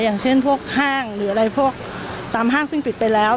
อย่างเช่นพวกห้างหรืออะไรพวกตามห้างซึ่งปิดไปแล้ว